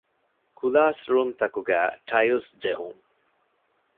ކުލާސްރޫމްތަކުގައި ޓައިލްސް ޖެހުން